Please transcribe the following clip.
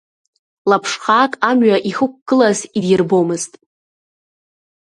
Лаԥшхаак амҩа ихықәгылаз идирбомызт.